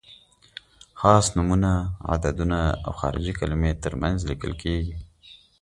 خاص نومونه، عددونه او خارجي کلمې تر منځ لیکل کیږي.